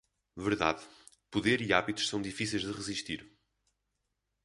Verdade, poder e hábitos são difíceis de resistir.